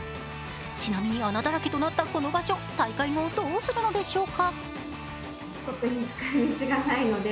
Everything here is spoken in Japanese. ちなみに穴だらけとなったこの場所、大会後どうするのでしょうか。